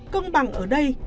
công bằng ở đây